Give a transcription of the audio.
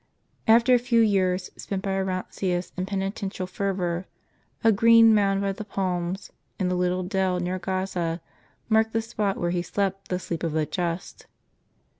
After a few years, spent by Orontius in penitential fervor, a green mound by the palms, in the little dell near Gaza, marked the spot where he slept the sleep of the just.